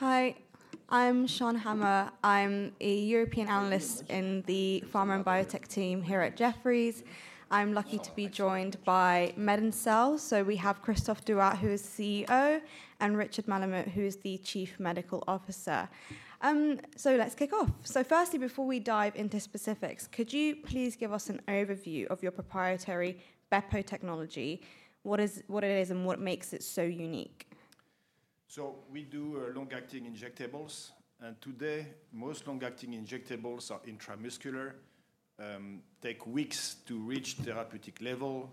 Hi, I'm Sean Hammer. I'm a European analyst in the Pharma and Biotech team here at Jefferies. I'm lucky to be joined by MedinCell. We have Christophe Douat, who is CEO, and Richard Malamut, who is the Chief Medical Officer. Let's kick off. Firstly, before we dive into specifics, could you please give us an overview of your proprietary BEPO technology? What is it, and what makes it so unique? We do long-acting injectables. Today, most long-acting injectables are intramuscular, take weeks to reach therapeutic level,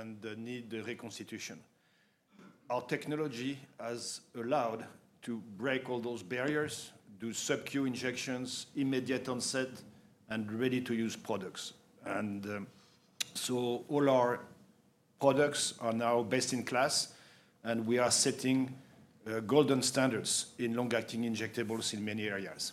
and need reconstitution. Our technology has allowed us to break all those barriers, do sub-queue injections, immediate onset, and ready-to-use products. All our products are now best in class, and we are setting golden standards in long-acting injectables in many areas.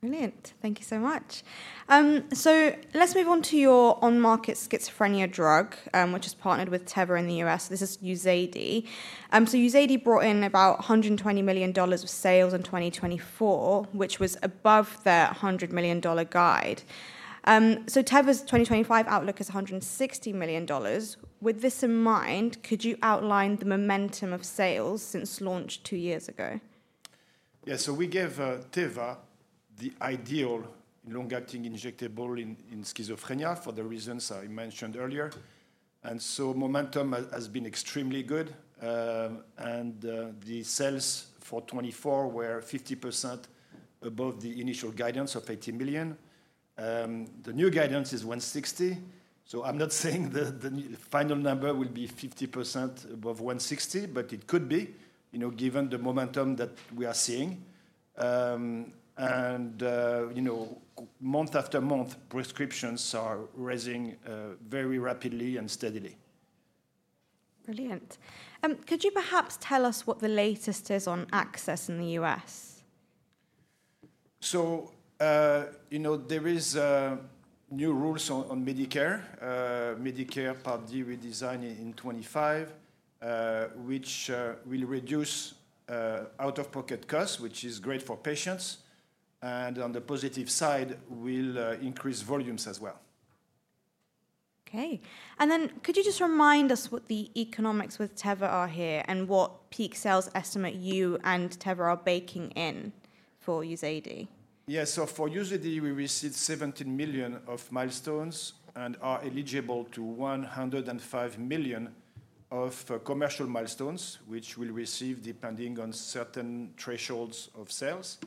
Brilliant. Thank you so much. Let's move on to your on-market schizophrenia drug, which is partnered with Teva in the U.S.. This is Uzedy. Uzedy brought in about 120 million dollars of sales in 2024, which was above their 100 million dollar guide. Teva's 2025 outlook is 160 million dollars. With this in mind, could you outline the momentum of sales since launch two years ago? Yeah, so we gave Teva the ideal long-acting injectable in schizophrenia for the reasons I mentioned earlier. Momentum has been extremely good. The sales for 2024 were 50% above the initial guidance of 80 million. The new guidance is 160 million. I'm not saying the final number will be 50% above 160 million, but it could be, given the momentum that we are seeing. Month after month, prescriptions are rising very rapidly and steadily. Brilliant. Could you perhaps tell us what the latest is on access in the U.S.? There are new rules on Medicare. Medicare Part D will be designed in 2025, which will reduce out-of-pocket costs, which is great for patients. On the positive side, will increase volumes as well. Okay. Could you just remind us what the economics with Teva are here and what peak sales estimate you and Teva are baking in for UZEDY? Yeah, so for UZEDY, we received 17 million of milestones and are eligible to 105 million of commercial milestones, which we'll receive depending on certain thresholds of sales.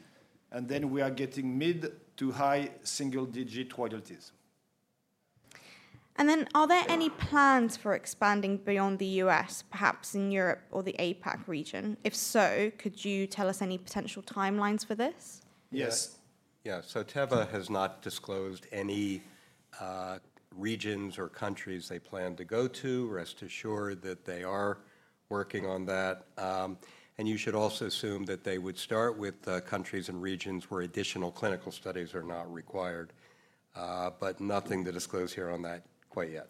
We are getting mid to high single-digit royalties. Are there any plans for expanding beyond the U.S., perhaps in Europe or the APAC region? If so, could you tell us any potential timelines for this? Yes. Yeah, so Teva has not disclosed any regions or countries they plan to go to. Rest assured that they are working on that. You should also assume that they would start with countries and regions where additional clinical studies are not required, but nothing to disclose here on that quite yet.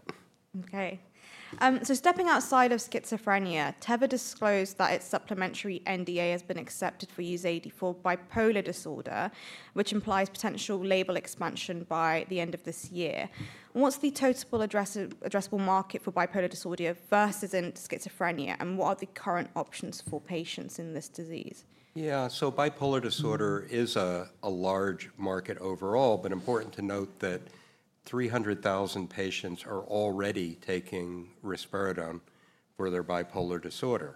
Okay. Stepping outside of schizophrenia, Teva disclosed that its supplemental NDA has been accepted for UZEDY for bipolar disorder, which implies potential label expansion by the end of this year. What's the total addressable market for bipolar disorder versus schizophrenia, and what are the current options for patients in this disease? Yeah, so bipolar disorder is a large market overall, but important to note that 300,000 patients are already taking risperidone for their bipolar disorder,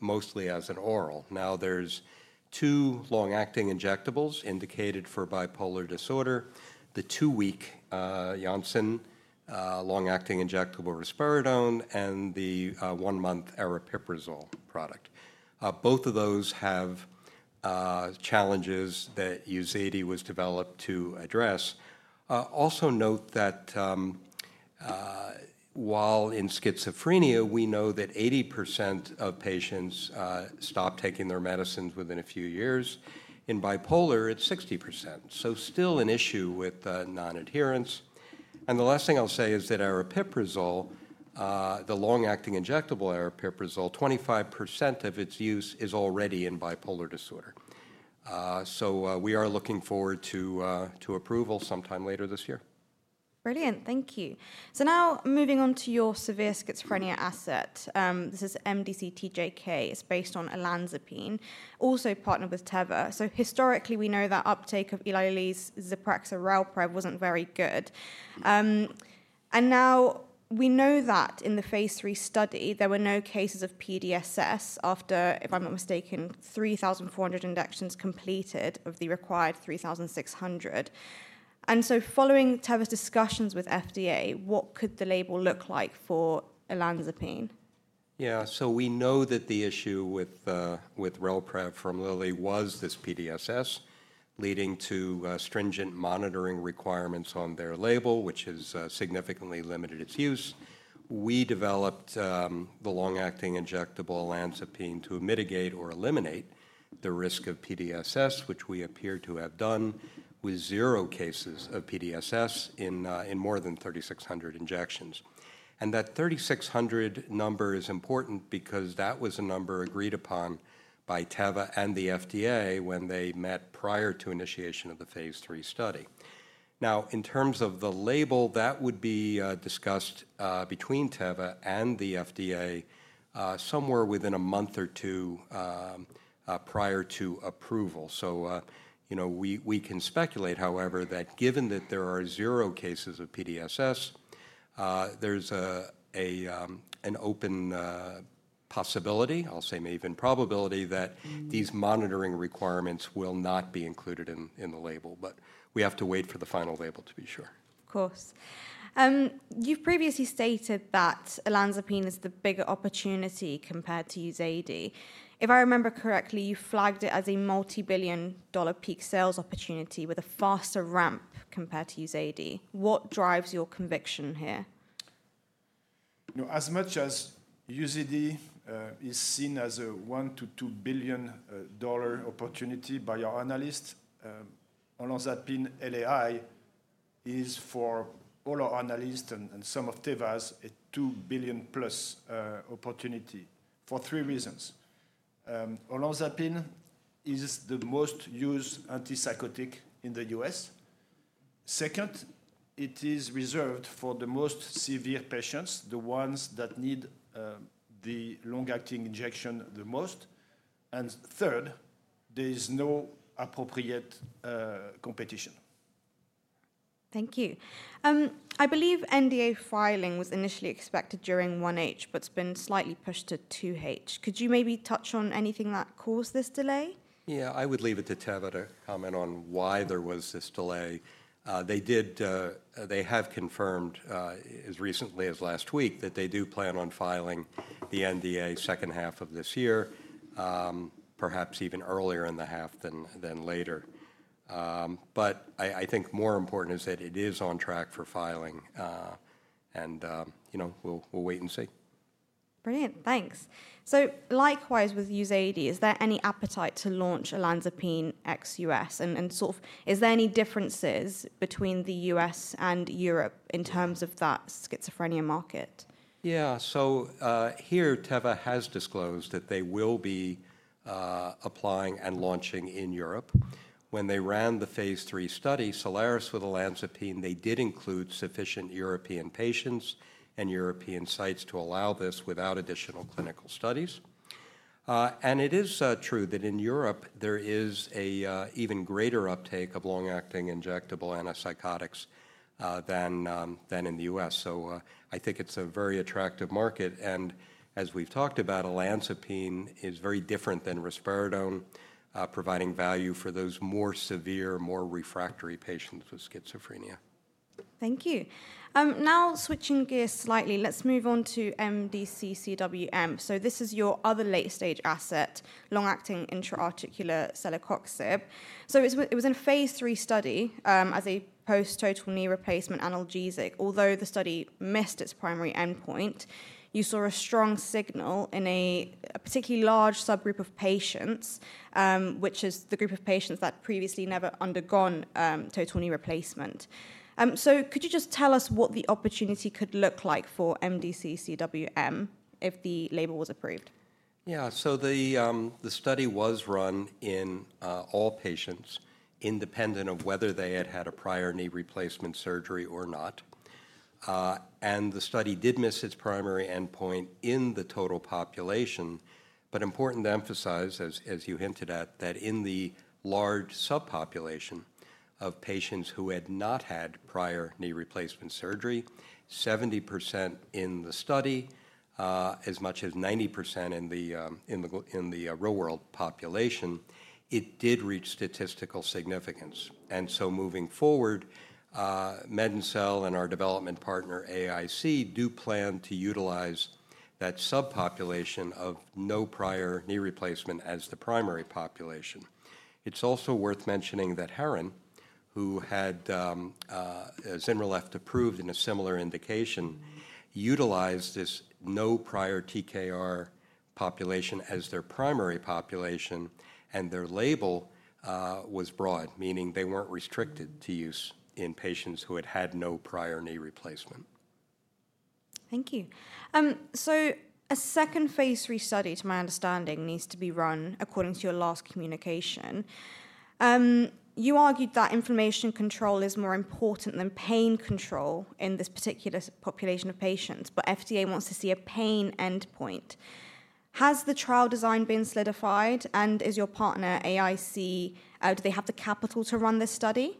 mostly as an oral. Now there are two long-acting injectables indicated for bipolar disorder: the two-week Janssen long-acting injectable risperidone and the one-month aripiprazole product. Both of those have challenges that UZEDY was developed to address. Also note that while in schizophrenia, we know that 80% of patients stop taking their medicines within a few years. In bipolar, it is 60%. Still an issue with non-adherence. The last thing I'll say is that aripiprazole, the long-acting injectable aripiprazole, 25% of its use is already in bipolar disorder. We are looking forward to approval sometime later this year. Brilliant. Thank you. Now moving on to your severe schizophrenia asset. This is MDC-TJK. It's based on olanzapine, also partnered with Teva. Historically, we know that uptake of Eli Lilly's Zyprexa and Relprevv was not very good. We know that in the phase three study, there were no cases of PDSS after, if I'm not mistaken, 3,400 injections completed of the required 3,600. Following Teva's discussions with FDA, what could the label look like for olanzapine? Yeah, so we know that the issue with Relprevv formally was this PDSS, leading to stringent monitoring requirements on their label, which has significantly limited its use. We developed the long-acting injectable olanzapine to mitigate or eliminate the risk of PDSS, which we appear to have done with zero cases of PDSS in more than 3,600 injections. That 3,600 number is important because that was a number agreed upon by Teva and the FDA when they met prior to initiation of the phase three study. Now, in terms of the label, that would be discussed between Teva and the FDA somewhere within a month or two prior to approval. We can speculate, however, that given that there are zero cases of PDSS, there's an open possibility, I'll say maybe even probability, that these monitoring requirements will not be included in the label. We have to wait for the final label to be sure. Of course. You've previously stated that olanzapine is the bigger opportunity compared to Uzedy. If I remember correctly, you flagged it as a multi-billion dollar peak sales opportunity with a faster ramp compared to UZEDY. What drives your conviction here? As much as UZEDY is seen as a $1 billion to $2 billion opportunity by our analysts, olanzapine LAI is, for all our analysts and some of Teva's, a $2 billion plus opportunity for three reasons. Olanzapine is the most used antipsychotic in the U.S.. Second, it is reserved for the most severe patients, the ones that need the long-acting injection the most. Third, there is no appropriate competition. Thank you. I believe NDA filing was initially expected during 1H, but it's been slightly pushed to 2H. Could you maybe touch on anything that caused this delay? Yeah, I would leave it to Teva to comment on why there was this delay. They have confirmed as recently as last week that they do plan on filing the NDA second half of this year, perhaps even earlier in the half than later. I think more important is that it is on track for filing. We'll wait and see. Brilliant. Thanks. Likewise with UZEDY, is there any appetite to launch olanzapine ex-U.S.? Is there any differences between the U.S. and Europe in terms of that schizophrenia market? Yeah, so here Teva has disclosed that they will be applying and launching in Europe. When they ran the phase three study, Solaris with olanzapine, they did include sufficient European patients and European sites to allow this without additional clinical studies. It is true that in Europe, there is an even greater uptake of long-acting injectable antipsychotics than in the U.S. I think it is a very attractive market. As we've talked about, olanzapine is very different than risperidone, providing value for those more severe, more refractory patients with schizophrenia. Thank you. Now switching gears slightly, let's move on to MDC-CWM. This is your other late-stage asset, long-acting intra-articular celecoxib. It was in a phase three study as a post-total knee replacement analgesic. Although the study missed its primary endpoint, you saw a strong signal in a particularly large subgroup of patients, which is the group of patients that previously never undergone total knee replacement. Could you just tell us what the opportunity could look like for MDC-CWM if the label was approved? Yeah, so the study was run in all patients, independent of whether they had had a prior knee replacement surgery or not. The study did miss its primary endpoint in the total population. Important to emphasize, as you hinted at, that in the large subpopulation of patients who had not had prior knee replacement surgery, 70% in the study, as much as 90% in the real-world population, it did reach statistical significance. Moving forward, MedinCell and our development partner AIC do plan to utilize that subpopulation of no prior knee replacement as the primary population. It's also worth mentioning that Horizon, who had Zilretta approved in a similar indication, utilized this no prior TKR population as their primary population, and their label was broad, meaning they were not restricted to use in patients who had had no prior knee replacement. Thank you. A second phase three study, to my understanding, needs to be run according to your last communication. You argued that information control is more important than pain control in this particular population of patients, but FDA wants to see a pain endpoint. Has the trial design been solidified? Is your partner, AIC, do they have the capital to run this study?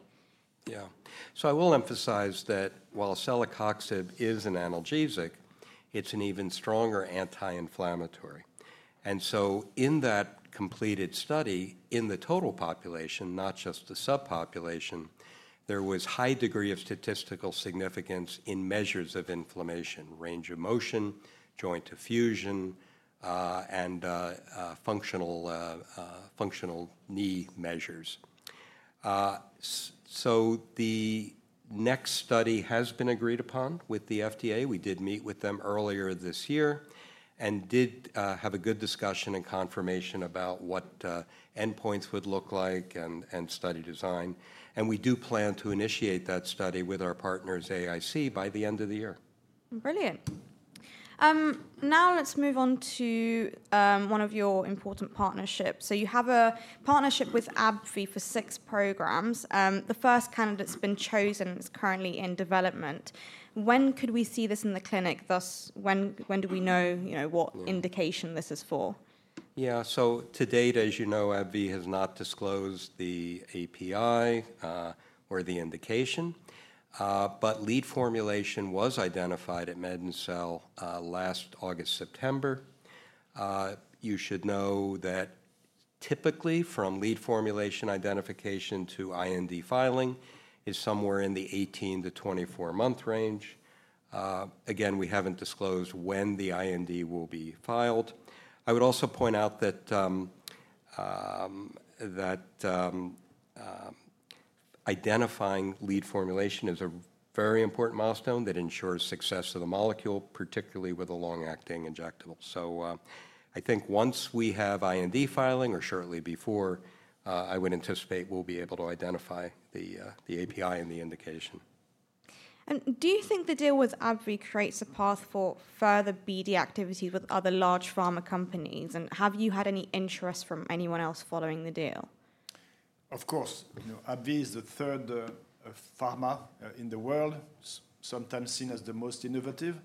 Yeah. I will emphasize that while celecoxib is an analgesic, it's an even stronger anti-inflammatory. In that completed study, in the total population, not just the subpopulation, there was a high degree of statistical significance in measures of inflammation, range of motion, joint effusion, and functional knee measures. The next study has been agreed upon with the FDA. We did meet with them earlier this year and did have a good discussion and confirmation about what endpoints would look like and study design. We do plan to initiate that study with our partners, AIC, by the end of the year. Brilliant. Now let's move on to one of your important partnerships. You have a partnership with AbbVie for six programs. The first candidate's been chosen. It's currently in development. When could we see this in the clinic? Thus, when do we know what indication this is for? Yeah, so to date, as you know, AbbVie has not disclosed the API or the indication, but lead formulation was identified at MedinCell last August/September. You should know that typically from lead formulation identification to IND filing is somewhere in the 18-24 month range. Again, we haven't disclosed when the IND will be filed. I would also point out that identifying lead formulation is a very important milestone that ensures success of the molecule, particularly with a long-acting injectable. I think once we have IND filing or shortly before, I would anticipate we'll be able to identify the API and the indication. Do you think the deal with AbbVie creates a path for further BD activities with other large pharma companies? Have you had any interest from anyone else following the deal? Of course. AbbVie is the third pharma in the world, sometimes seen as the most innovative.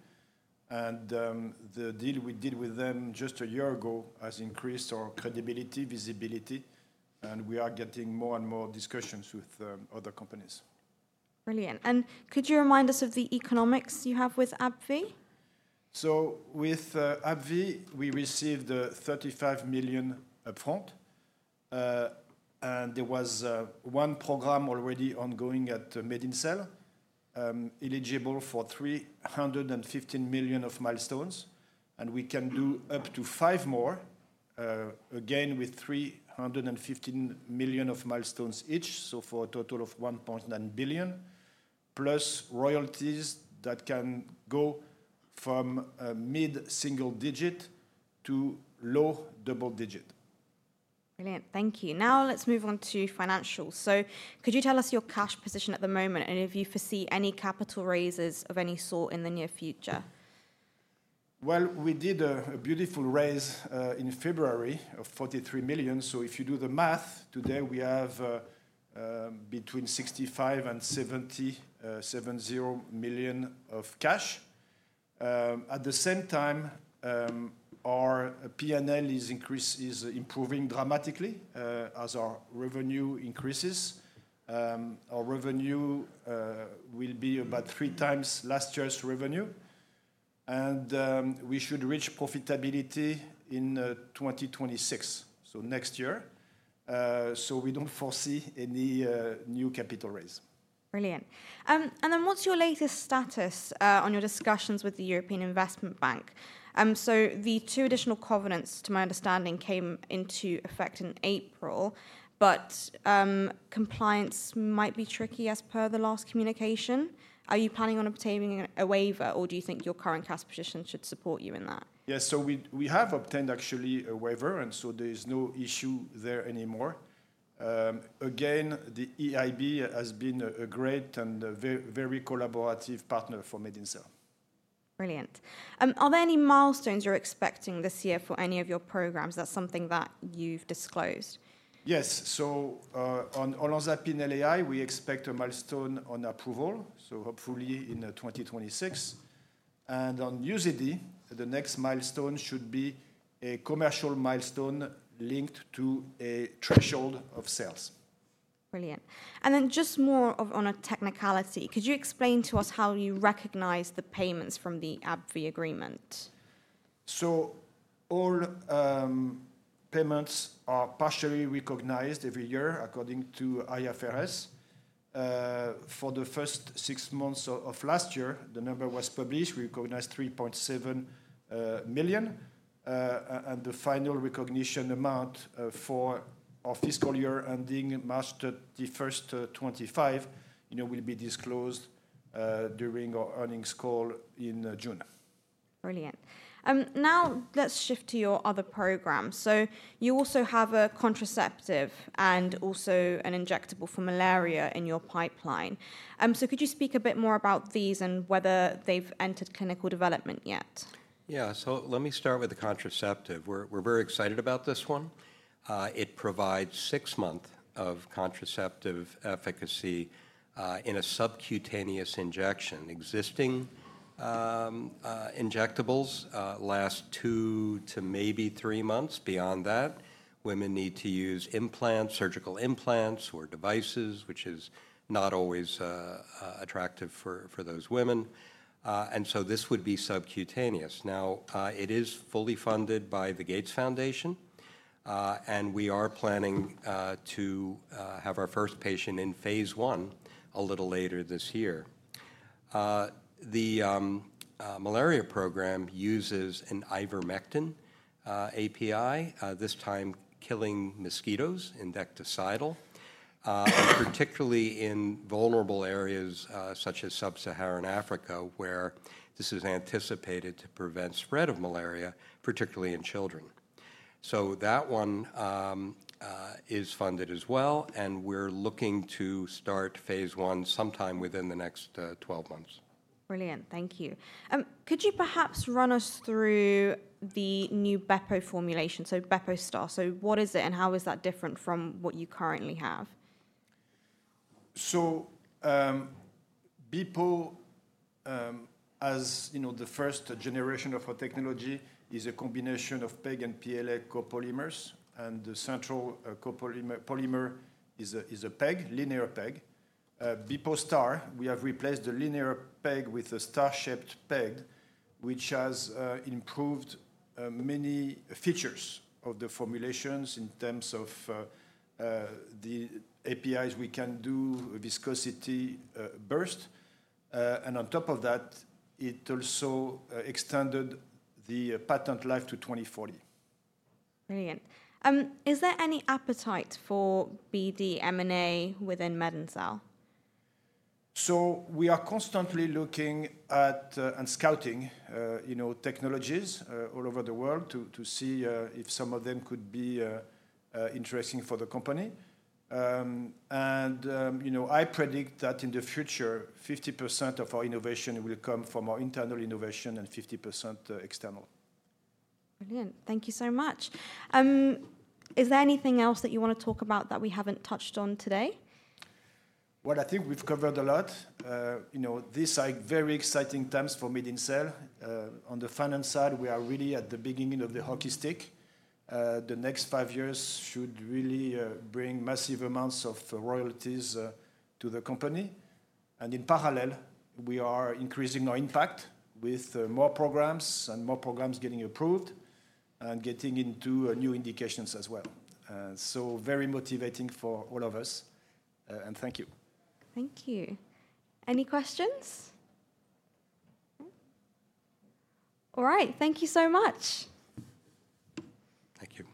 The deal we did with them just a year ago has increased our credibility, visibility, and we are getting more and more discussions with other companies. Brilliant. Could you remind us of the economics you have with AbbVie? With AbbVie, we received 35 million upfront. There was one program already ongoing at MedinCell, eligible for 315 million of milestones. We can do up to five more, again with 315 million of milestones each, so for a total of 1.9 billion, plus royalties that can go from mid-single digit to low double digit. Brilliant. Thank you. Now let's move on to financials. Could you tell us your cash position at the moment and if you foresee any capital raises of any sort in the near future? We did a beautiful raise in February of 43 million. If you do the math, today we have between 65 million and 70 million of cash. At the same time, our P&L is improving dramatically as our revenue increases. Our revenue will be about three times last year's revenue. We should reach profitability in 2026, next year. We do not foresee any new capital raise. Brilliant. What is your latest status on your discussions with the European Investment Bank? The two additional covenants, to my understanding, came into effect in April, but compliance might be tricky as per the last communication. Are you planning on obtaining a waiver, or do you think your current cash position should support you in that? Yeah, so we have obtained actually a waiver, and so there is no issue there anymore. Again, the EIB has been a great and very collaborative partner for MedinCell. Brilliant. Are there any milestones you're expecting this year for any of your programs? That's something that you've disclosed. Yes. On olanzapine LAI, we expect a milestone on approval, hopefully in 2026. On UZEDY, the next milestone should be a commercial milestone linked to a threshold of sales. Brilliant. And then just more on a technicality, could you explain to us how you recognize the payments from the AbbVie agreement? All payments are partially recognized every year according to IFRS. For the first six months of last year, the number was published, we recognized 3.7 million. The final recognition amount for our fiscal year ending March 31, 2025, will be disclosed during our earnings call in June. Brilliant. Now let's shift to your other programs. You also have a contraceptive and also an injectable for malaria in your pipeline. Could you speak a bit more about these and whether they've entered clinical development yet? Yeah, so let me start with the contraceptive. We're very excited about this one. It provides six months of contraceptive efficacy in a subcutaneous injection. Existing injectables last two to maybe three months. Beyond that, women need to use implants, surgical implants or devices, which is not always attractive for those women. This would be subcutaneous. Now, it is fully funded by the Gates Foundation, and we are planning to have our first patient in phase one a little later this year. The malaria program uses an ivermectin API, this time killing mosquitoes endectocidal, particularly in vulnerable areas such as sub-Saharan Africa, where this is anticipated to prevent spread of malaria, particularly in children. That one is funded as well, and we're looking to start phase one sometime within the next 12 months. Brilliant. Thank you. Could you perhaps run us through the new Bepo formulation, so BepoStar? What is it and how is that different from what you currently have? Bepo, as the first generation of our technology, is a combination of PEG and PLA copolymers, and the central copolymer is a PEG, linear PEG. BepoStar, we have replaced the linear PEG with a star-shaped PEG, which has improved many features of the formulations in terms of the APIs we can do, viscosity burst. On top of that, it also extended the patent life to 2040. Brilliant. Is there any appetite for BD M&A within MedinCell? We are constantly looking at and scouting technologies all over the world to see if some of them could be interesting for the company. I predict that in the future, 50% of our innovation will come from our internal innovation and 50% external. Brilliant. Thank you so much. Is there anything else that you want to talk about that we haven't touched on today? I think we've covered a lot. These are very exciting times for MedinCell. On the finance side, we are really at the beginning of the hockey stick. The next five years should really bring massive amounts of royalties to the company. In parallel, we are increasing our impact with more programs and more programs getting approved and getting into new indications as well. Very motivating for all of us. Thank you. Thank you. Any questions? All right. Thank you so much. Thank you.